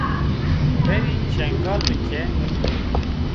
Berî çengal bike!